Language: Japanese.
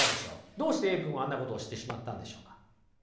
どうしてＡ君はあんなことをしてしまったんでしょうか？